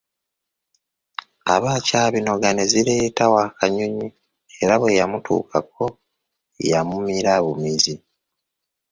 Aba akyabinoga ne zireeta Wakanyonyi era bwe yamutuukako yamumira bumizi.